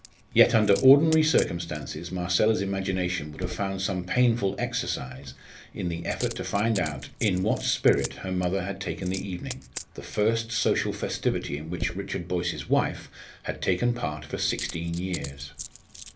Yet under ordinary circumstances Marcella's imagination would have found some painful exercise in the effort to find out in what spirit her mother had taken the evening the first social festivity in which Richard Boyce's wife had taken part for sixteen years.